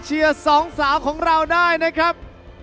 เชียร์สองสาวของเราได้นะครับ